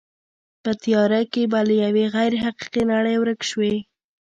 په تیاره کې به له یوې غیر حقیقي نړۍ ورک شوې.